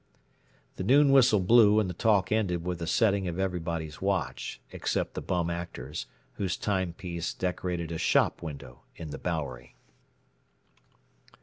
The noon whistle blew and the talk ended with the setting of everybody's watch, except the Bum Actor's, whose timepiece decorated a shop window in the Bowery.